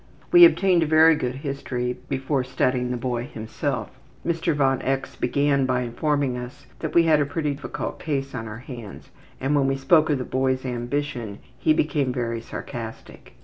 We obtained a very good history before studying the boy himself. Mr. von X. began by informing us that we had a pretty difficult case on our hands, and when we spoke of the boy's ambition he became very sarcastic.